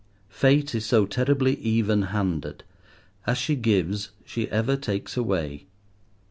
Fate is so terribly even handed. As she gives she ever takes away.